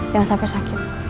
jangan sampai sakit